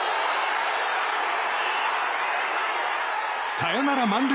サヨナラ満塁